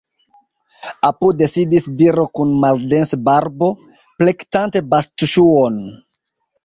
Apude sidis viro kun maldensa barbo, plektante bastŝuon.